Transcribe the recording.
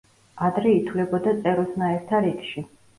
ადრე ითვლებოდა წეროსნაირთა რიგში.